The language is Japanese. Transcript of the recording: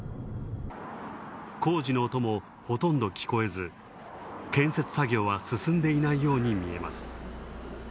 工事の音も、ほとんど聞こえず、建設作業は進んでいないように見えます。